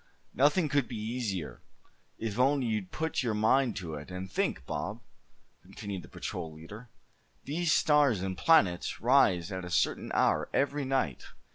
"Nothing could be easier, if only you'd put your mind to it, and think, Bob?" continued the patrol leader. "These stars and planets rise at a certain hour every night.